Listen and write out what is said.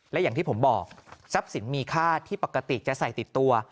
และอย่างที่ผมบอกทรัพย์สินมีค่าที่ปกติจะใส่ติดตัว